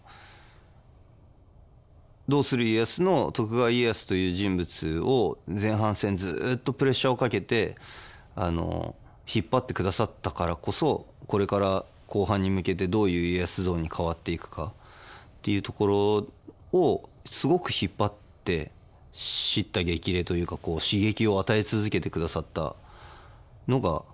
「どうする家康」の徳川家康という人物を前半戦ずっとプレッシャーをかけて引っ張ってくださったからこそこれから後半に向けてどういう家康像に変わっていくかっていうところをすごく引っ張って叱咤激励というか刺激を与え続けてくださったのが岡田君なので。